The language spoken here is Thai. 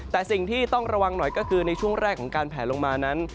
แต่สิ่งที่ต้องระวังหน่อยก็คือในช่วงแรกของการแผลลงมานั้น